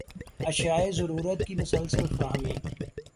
اشیائے ضرورت کی مسلسل فراہمی